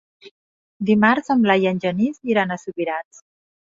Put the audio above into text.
Dimarts en Blai i en Genís iran a Subirats.